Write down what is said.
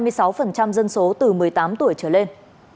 tỷ lệ tiêm dân số từ một mươi tám tuổi trở lên